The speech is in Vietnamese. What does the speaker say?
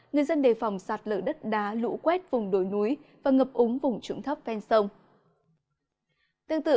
người dân đề phòng sạt lở đất đá lũ quét vùng đồi núi và ngập úng vùng trúng thắng